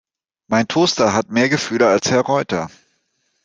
Mein Toaster hat mehr Gefühle als Herr Reuter!